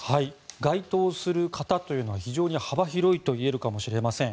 該当する方というのは非常に幅広いといえるかもしれません。